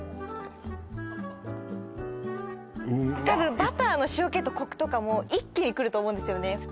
多分バターの塩気とコクとかも一気にくると思うんですよね